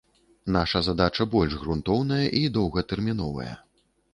Наша задача больш грунтоўная і доўгатэрміновая.